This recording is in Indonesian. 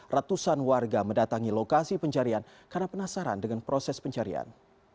ratusan warga mendatangi lokasi pencarian karena penasaran dengan proses pencarian